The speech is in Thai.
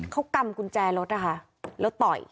เขากำกุญแจรถนะคะแล้วต่อย